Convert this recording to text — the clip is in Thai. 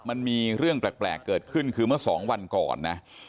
มันมีเรื่องแปลกเกิดขึ้นคือเมื่อสองวันก่อนนะ